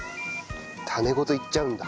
タネごといっちゃうんだ。